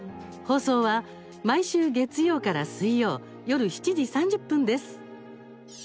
放送は、毎週月曜から水曜夜７時３０分です。